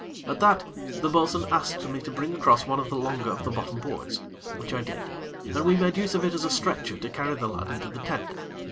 At that, the bo'sun asked me to bring across one of the longer of the bottom boards, which I did, and we made use of it as a stretcher to carry the lad into the tent.